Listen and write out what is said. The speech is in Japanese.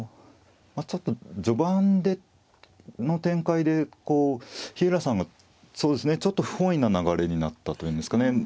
あの序盤の展開で日浦さんがちょっと不本意な流れになったというんですかね。